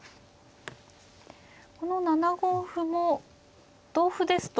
この７五歩も同歩ですと。